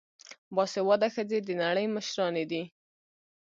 باسواده ښځې د نړۍ مشرانې دي.